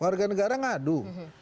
warga negara ngadu